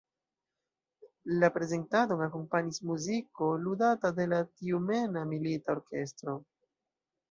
La prezentadon akompanis muziko ludata de la tjumena milita orkestro.